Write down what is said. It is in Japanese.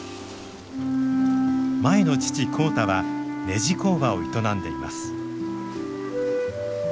舞の父浩太はねじ工場を営んでいます。